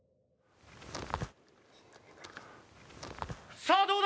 さあどうだ？